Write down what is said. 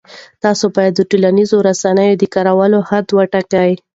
تاسو باید د ټولنیزو رسنیو د کارولو حد وټاکئ.